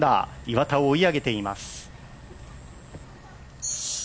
岩田を追い上げています。